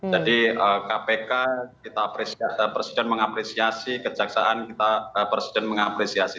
jadi kpk kita presiden mengapresiasi kejaksaan kita presiden mengapresiasi